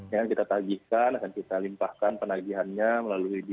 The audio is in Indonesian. yang kita tagihkan akan kita limpahkan penagihannya melalui dia